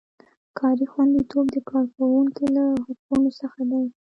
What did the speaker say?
کاري خوندیتوب د کارکوونکي له حقونو څخه دی.